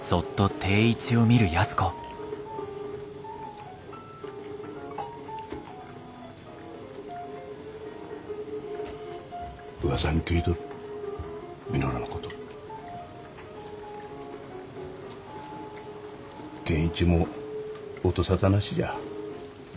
健一も音沙汰なしじゃ。